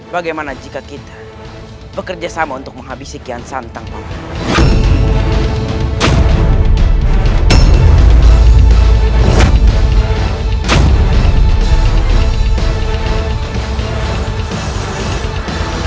bagaimana jika kita bekerja sama untuk menghabis sekian santang pak